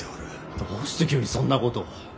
どうして急にそんなことを。